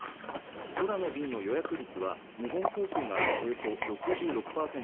空の便の予約率は日本航空がおよそ６６％